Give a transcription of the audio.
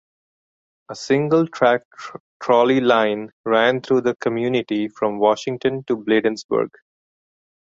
A single-track trolley line ran through the community from Washington to Bladensburg.